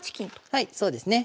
はいそうですね。